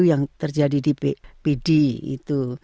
yang terjadi di pd itu